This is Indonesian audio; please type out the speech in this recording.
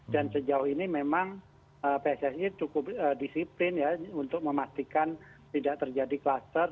dan sejauh ini memang pssi cukup disiplin ya untuk memastikan tidak terjadi kluster